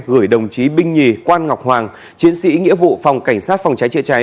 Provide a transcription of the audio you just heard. gửi đồng chí binh nhì quan ngọc hoàng chiến sĩ nghĩa vụ phòng cảnh sát phòng cháy chữa cháy